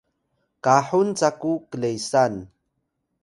Yaway: kahun caku Klesan